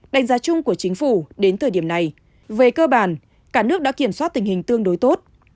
đánh giá chung của chính phủ đến thời điểm này về cơ bản cả nước đã kiểm soát tình hình tương đối tốt